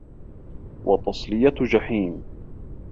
وَتَصلِيَةُ جَحيمٍ